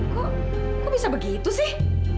kok gue bisa begitu sih